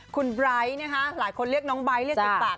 คุณไบร์ทนะคะหลายคนเรียกน้องไบท์เรียกติดปาก